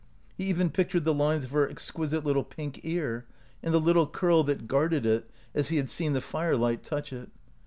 He even pic tured the lines of her exquisite little pink ear, and a little curl that guarded it, as he had seen the firelight touch it.